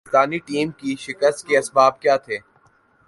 Pakistani team کے شکست کے اسباب کیا تھے ۔